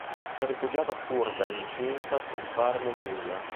Una rifugiata curda incinta scompare nel nulla.